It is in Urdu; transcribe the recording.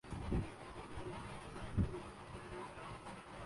اب تو دو ٹکے کے لوگ بھی اٹھ کر بغیر ثبوت الزام لگا دیتے